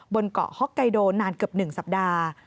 บนเกาะฮ็อกไกโดนานเกือบ๑สัปดาห์